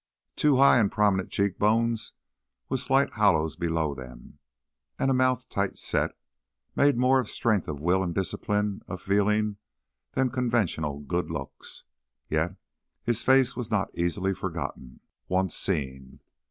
Too high and prominent cheekbones with slight hollows below them, and a mouth tight set, made more for strength of will and discipline of feeling than conventional good looks. Yet his was a face not easily forgotten, once seen.